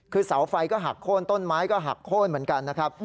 คือเสาไฟก็หักโค้นต้นไม้ก็หักโค้นเหมือนกันนะครับ